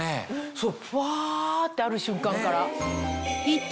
そうふわってある瞬間から。